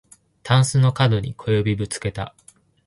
たんすのかどに小指ぶつけた